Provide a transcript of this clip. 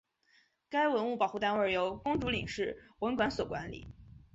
该文物保护单位由公主岭市文管所管理。